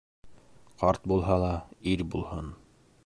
Ҡарт булһа ла ир булһын.